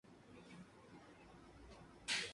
Su agua es de gran calidad.